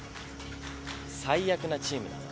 最悪なチームだな。